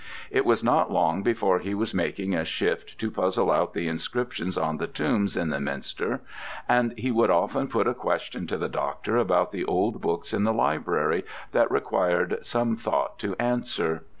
It was not long before he was making a shift to puzzle out the inscriptions on the tombs in the minster, and he would often put a question to the doctor about the old books in the library that required some thought to answer.